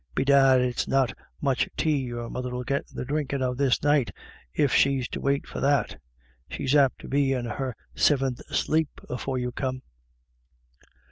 Bedad it's not much tay your mother'll get the drinkin* of this night, if she's to wait for that; she's apt to be in her siventh sleep afore you come."